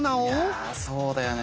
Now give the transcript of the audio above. いやそうだよね